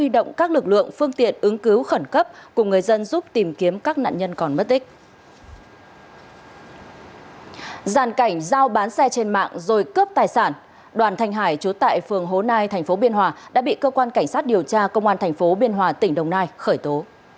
đoàn thanh hải trốn tại phường hố nai tp biên hòa đã bị cơ quan cảnh sát điều tra công an tp biên hòa tỉnh đồng nai khởi tố